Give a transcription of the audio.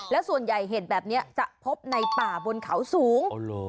แล้วส่วนใหญ่เห็นแบบนี้จะพบในป่าบนเขาสูง